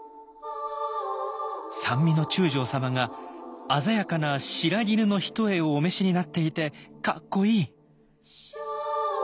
「三位の中将様があざやかな白絹の単衣をお召しになっていてかっこいい！」。